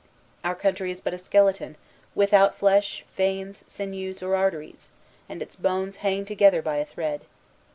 Our country is but a skeleton, without flesh, veins, sinews, or arteries; and its bones hang together by a thread.